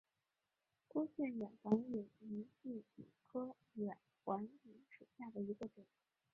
多腺远环蚓为巨蚓科远环蚓属下的一个种。